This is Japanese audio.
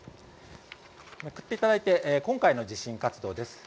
めくっていただいて今回の地震活動です。